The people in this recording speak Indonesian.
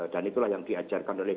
dan itulah yang diajarkan oleh